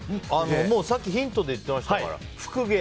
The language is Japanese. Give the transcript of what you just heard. さっき、ヒントで言ってましたから、福毛。